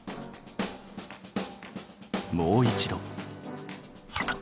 もう一度。